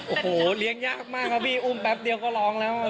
โอ้โหเลี้ยงยากมากครับพี่อุ้มแป๊บเดียวก็ร้องแล้ว